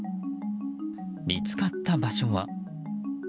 見つかった場所は。